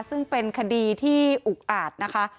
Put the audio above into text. ซึ่งเป็นคดีที่อุกอาจนะคะ